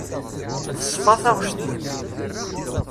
Teṣfa taɣect-im.